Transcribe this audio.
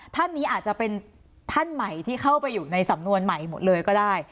ท่านนี้อาจจะเป็นท่านใหม่ที่เข้าไปอยู่ในสำนวนใหม่หมดเลยก็ได้